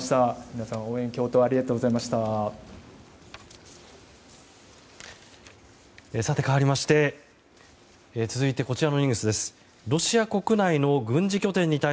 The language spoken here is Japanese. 皆さん、応援、共闘ありがとうございました。